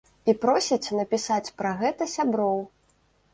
І просіць напісаць пра гэта сяброў.